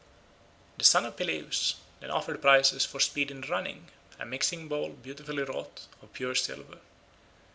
The son of Peleus then offered prizes for speed in running—a mixing bowl beautifully wrought, of pure silver.